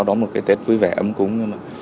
đóng một cái tết vui vẻ ấm cúng